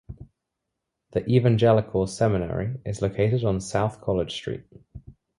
The Evangelical Seminary is located on South College Street.